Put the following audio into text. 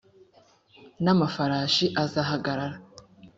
n amafarashi azahagarara